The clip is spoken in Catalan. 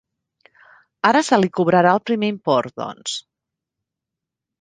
Ara se li cobrarà el primer import, doncs.